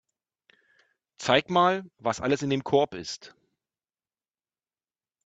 Zeig mal, was alles in dem Korb ist.